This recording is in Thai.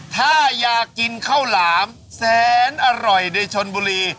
ถ้าอยากกินข้าวหลามแสนอร่อยในชนบุรี